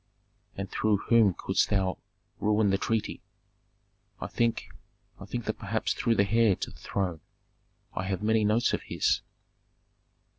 "And through whom couldst thou ruin the treaty?" "I think I think that perhaps through the heir to the throne. I have many notes of his."